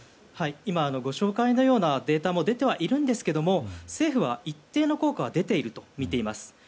今、ご紹介のようなデータも出てはいるんですが政府は一定の効果は出ているとみています。